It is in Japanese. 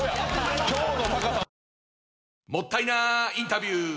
もったいなインタビュー！